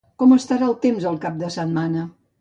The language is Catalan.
Com estarà el temps el cap de setmana?